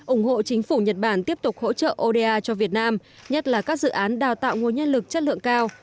ủng hộ chính phủ nhật bản tiếp tục hỗ trợ oda cho việt nam nhất là các dự án đào tạo nguồn nhân lực chất lượng cao